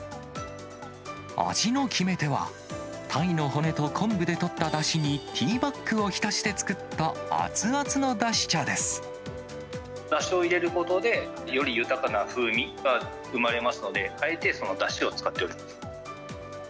味の決め手は、タイの骨と昆布でとっただしにティーバッグを浸して作った熱々のだしを入れることでより豊かな風味が生まれますので、あえて、そのだしを使っております。